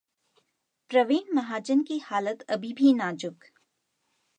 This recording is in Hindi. प्रवीण महाजन की हालत अब भी नाजुक